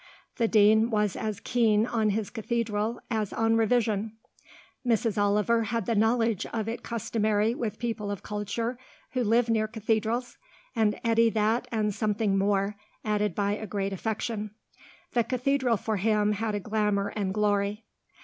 The Dean was as keen on his Cathedral as on revision. Mrs. Oliver had the knowledge of it customary with people of culture who live near cathedrals, and Eddy that and something more, added by a great affection. The Cathedral for him had a glamour and glory.